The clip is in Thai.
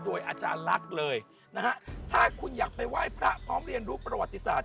โดยอาจารย์ลักษณ์เลยนะฮะถ้าคุณอยากไปไหว้พระพร้อมเรียนรู้ประวัติศาสต